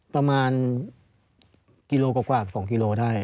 ประมาณกิโลกว่า๒กิโลได้